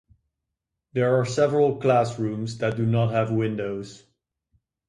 There are several classrooms that do not have windows.